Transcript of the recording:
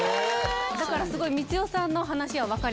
だからすごい光代さんの話は分かります。